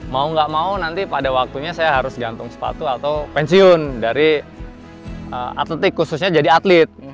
mau gak mau nanti pada waktunya saya harus gantung sepatu atau pensiun dari atletik khususnya jadi atlet